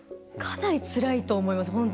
かなりつらいと思います。